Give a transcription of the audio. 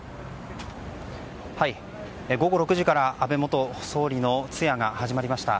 午後６時から安倍元総理の通夜が始まりました。